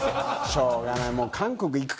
しょうがない。